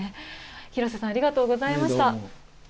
廣瀬さん、ありがとうございました。